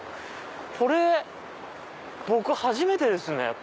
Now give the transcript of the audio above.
これ僕初めてですね。